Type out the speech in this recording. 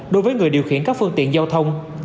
đối với người điều khiển các phương tiện giao thông